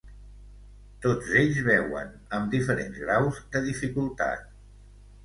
Tots ells beuen, amb diferents graus de dificultat.